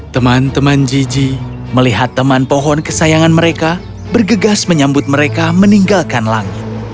teman teman jiji melihat teman pohon kesayangan mereka bergegas menyambut mereka meninggalkan langit